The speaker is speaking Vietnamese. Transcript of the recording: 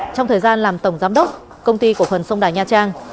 trong thời gian làm tổng giám đốc công ty cổ phần sông đà nha trang